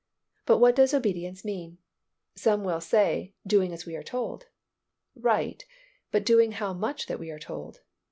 But what does obedience mean? Some one will say, doing as we are told. Right, but doing how much that we are told?